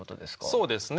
そうですね。